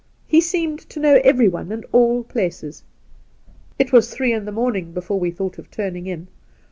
He seemed to know everyone and all places. It was three in the morning before we thought of turning in.